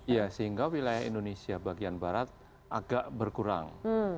ya sehingga wilayah indonesia bagian barat agak berkurang